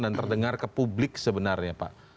dan terdengar ke publik sebenarnya pak